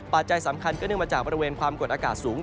จัยสำคัญก็เนื่องมาจากบริเวณความกดอากาศสูง